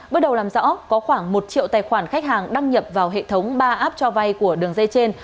bước đầu làm rõ có khoảng một triệu tài khoản khách hàng đăng nhập vào hệ thống ba app cho vay của đường dây trên